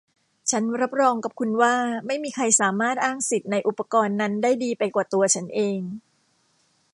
ฉันรับรองกับคุณว่าไม่มีใครสามารถอ้างสิทธิ์ในอุปกรณ์นั้นได้ดีไปกว่าตัวฉันเอง